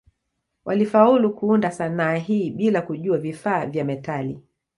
Walifaulu kuunda sanaa hii bila kujua vifaa vya metali.